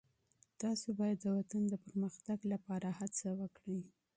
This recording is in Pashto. تاسو باید د وطن د پرمختګ لپاره هڅه وکړئ.